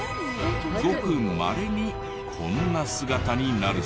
ごくまれにこんな姿になるそうです。